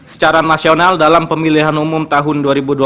secara nasional dalam pemilihan umum tahun dua ribu dua puluh